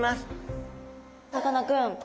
さかなクン。